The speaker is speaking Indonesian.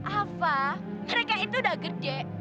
apa mereka itu udah gede